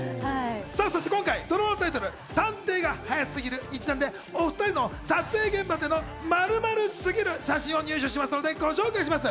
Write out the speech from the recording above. そして今回、ドラマのタイトル『探偵が早すぎる』にちなんで、お２人の撮影現場での○○すぎる写真を入手しましたので、ご紹介します。